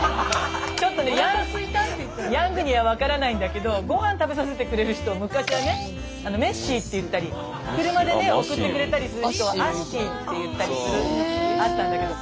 ちょっとヤングには分からないんだけどご飯食べさせてくれる人を昔はねメッシーって言ったり車でね送ってくれたりする人をアッシーって言ったりするのがあったんだけど